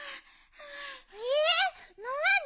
えっなに？